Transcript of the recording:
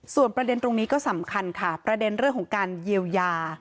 ส่วนประเด็นตรงนี้ก็สำคัญค่ะประเด็นเรื่องของการเยียวยา